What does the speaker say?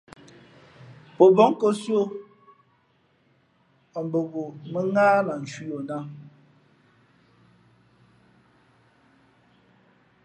Pō bα̌ nkōsī o mbα wo mᾱŋáh lah cwī yo nāt.